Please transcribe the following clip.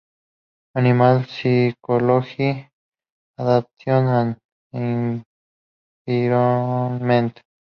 Animal physiology: adaptation and environment.